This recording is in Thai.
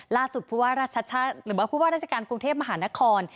ล่าสุดพูดว่าราชชะหรือว่าพูดว่าราชการกรุงเทพมหานคร